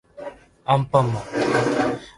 あんぱんまん